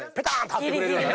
張ってくれるような。